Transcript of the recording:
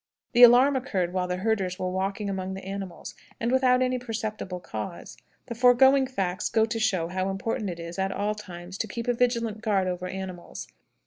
The alarm occurred while the herders were walking among the animals, and without any perceptible cause. The foregoing facts go to show how important it is at all times to keep a vigilant guard over animals.